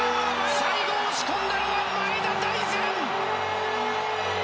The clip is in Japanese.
最後、押し込んだのは前田大然！